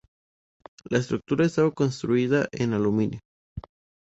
La estructura estaba construida en aluminio.